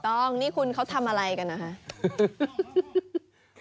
ต้องนี่คุณเขาทำอะไรกันนะคะ